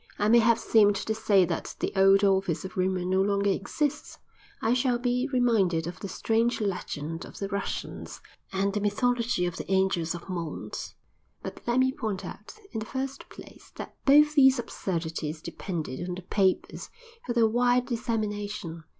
I may have seemed to say that the old office of rumor no longer exists; I shall be reminded of the strange legend of "the Russians" and the mythology of the "Angels of Mons." But let me point out, in the first place, that both these absurdities depended on the papers for their wide dissemination.